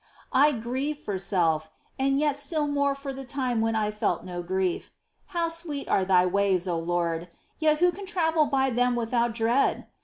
I grieve for self, and yet still more for the time when I felt no grief. How sweet are Thy ways, O Lord ! yet who can travel by them without dread